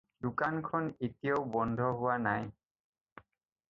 দোকানখন এতিয়াও বন্ধ হোৱা নাই।